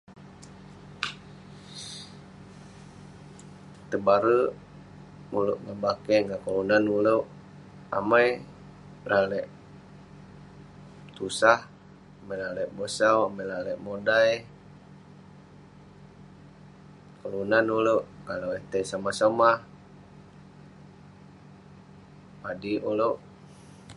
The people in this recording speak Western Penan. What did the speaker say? tebarek ulouk ngan bakeh ngan kelunan ulouk, amai lalek tusah, amai lalek bosau, amai lalek modai, kelunan ulouk kalau eh tai somah somah, padik ulouk